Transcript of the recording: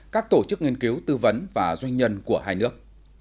các tổ chức nghiên cứu tư vấn và doanh nhân của hai nước